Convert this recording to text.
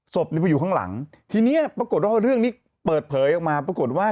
ไปอยู่ข้างหลังทีนี้ปรากฏว่าเรื่องนี้เปิดเผยออกมาปรากฏว่า